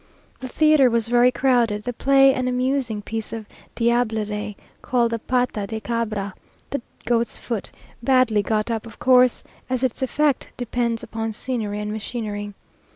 The theatre was very crowded, the play an amusing piece of diablerie, called the "Pata de Cabra" (the goat's foot), badly got up, of course, as its effect depends upon scenery and machinery.